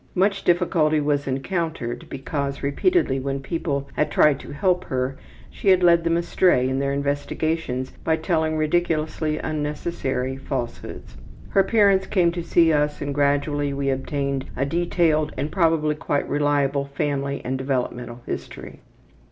Much difficulty was encountered because repeatedly when people had tried to help her she had led them astray in their investigations by telling ridiculously unnecessary falsehoods. Her parents came to see us and gradually we obtained a detailed and probably quite reliable family and developmental history.